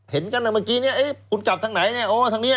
เห็นกันเมื่อกี้เนี่ยเอ๊ะคุณกลับทางไหนเนี่ยโอ้ทางนี้